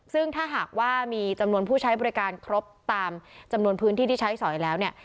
ซึ่งถ้าหากว่ามีจำนวนผู้ใช้บริการครบตามจำนวนพื้นที่ที่ใช้สอยแล้วเนี่ย